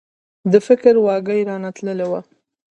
د فکر واګي رانه تللي وو.